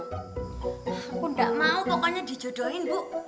aku tidak mau pokoknya dijodohin bu